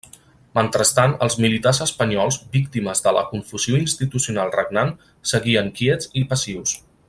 Mentrestant els militars espanyols, víctimes de la confusió institucional regnant, seguien quiets i passius.